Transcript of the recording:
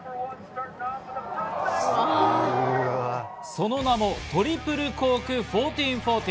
その名もトリプルコーク１４４０。